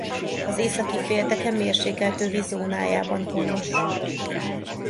Az északi félteke mérsékelt övi zónájában honos.